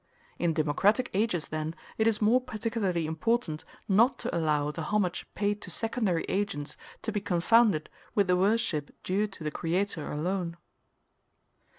In democratic ages, then, it is more particularly important not to allow the homage paid to secondary agents to be confounded with the worship due to the Creator alone.